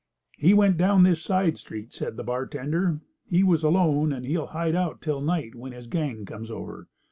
"He went down this side street," said the bartender. "He was alone, and he'll hide out till night when his gang comes over.